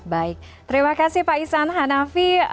baik terima kasih pak isan hanafi